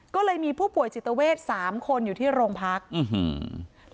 ก็เลยมีผู้ป่วยจิตเวทสามคนอยู่ที่โรงพักอื้อหือ